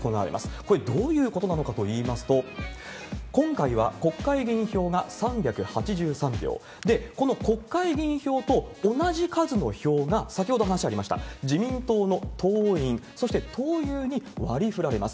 これ、どういうことなのかといいますと、今回は国会議員票が３８３票、この国会議員票と同じ数の票が、先ほど話ありました、自民党の党員、そして党友に割り振られます。